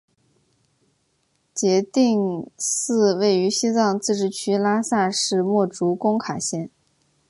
杰定寺位于西藏自治区拉萨市墨竹工卡县。